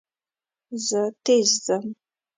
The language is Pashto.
زه تېز ځم.